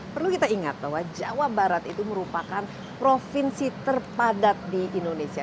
perlu kita ingat bahwa jawa barat itu merupakan provinsi terpadat di indonesia